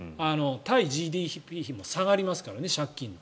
対ＧＤＰ比も下がりますから借金の。